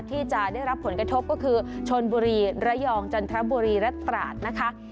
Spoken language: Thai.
ที่จะได้รับผลกระทบก็คือชนบุรีระยองจันทบุรีและตราดนะคะ